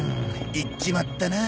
行っちまったなあ。